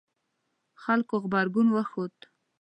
خلکو غبرګون وښود